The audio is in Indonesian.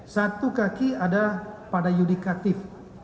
satu kaki ada pada yudikatif